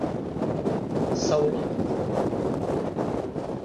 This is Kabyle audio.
Tsawleḍ-d?